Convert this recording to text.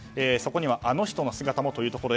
そこにはあの人の姿もと。